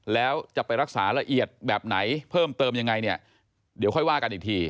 แล้วจะไปรักษาละเอียดแบบไหนเพิ่มเติมยังไงเนี่ยเดี๋ยวค่อยว่ากันอีกที